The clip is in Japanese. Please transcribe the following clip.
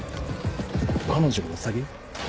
彼女がウサギ？